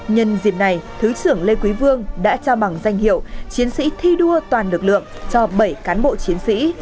nhân dịp này thứ trưởng lê quý vương đã trao bằng danh hiệu chiến sĩ thi đua toàn lực lượng cho bảy cán bộ chiến sĩ